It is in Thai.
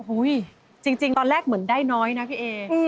จริงตอนแรกเหมือนได้น้อยนะพี่เอ